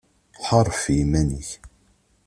Ḥareb ɣef yiman-ik